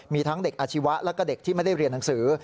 มีทั้งเด็กอาชีวะแล้วก็เด็กที่ไม่ได้เรียนหนังสือ